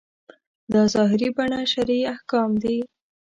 دا ظاهري بڼه شرعي احکام دي.